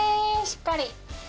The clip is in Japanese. しっかり。